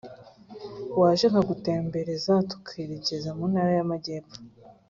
Waje nkagutembereza tukerekeza mu Ntara y’Amajyepfo